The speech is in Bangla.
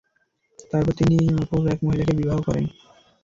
তারপর তিনি অপর এক মহিলাকে বিবাহ করেন।